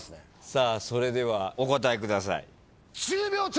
さあそれではお答えください。